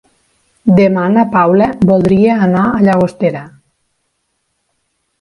Demà na Paula voldria anar a Llagostera.